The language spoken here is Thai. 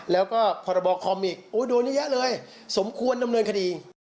เพราะว่าพรบคอมมิกโดนเยอะเลยสมควรดำเนินคดี